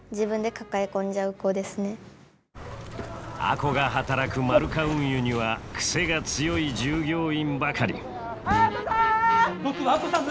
亜子が働くマルカ運輸には癖が強い従業員ばかり亜子さん！